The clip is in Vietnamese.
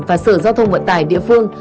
và sở giao thông vận tải địa phương